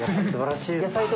すばらしいです。